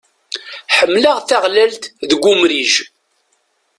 Ḥemmleɣ taɣlalt deg umrij.